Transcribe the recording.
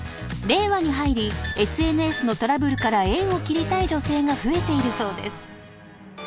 ［令和に入りＳＮＳのトラブルから縁を切りたい女性が増えているそうです］